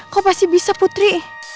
kau pasti bisa putri